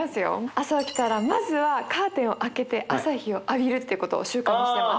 朝起きたらまずはカーテンを開けて朝日を浴びるってことを習慣にしてます。